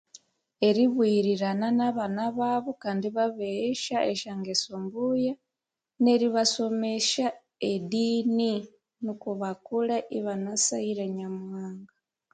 Eribuyirirana na bana babu kandi ibabeghesya esyangesu mbuya neri basomesya edini nuku bakule ibanasaghire Nyamuhanga